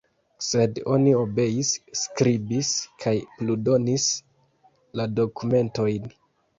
Sed oni obeis, skribis kaj pludonis la dokumentojn.